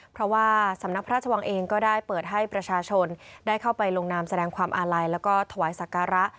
เพราะว่าสำนักพระราชวังเองก็ได้เปิดให้ประชาชนได้เข้าไปลงนามแสดงความอาลัยแล้วก็ถวายสักการะ